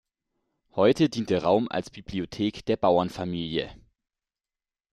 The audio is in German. Heute dient der Raum als Bibliothek der Bauernfamilie.